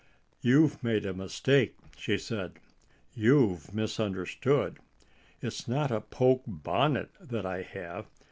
"You've made a mistake," she said. "You've misunderstood. It's not a poke bonnet that I have.